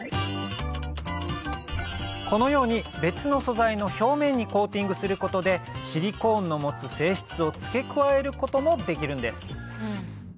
このように別の素材の表面にコーティングすることでシリコーンの持つ性質を付け加えることもできるんです